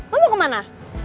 lo mau kemana